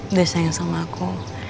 udah sayang sama aku